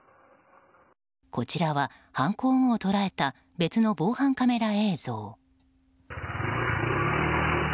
こちらは犯行後を捉えた別の防犯カメラ映像。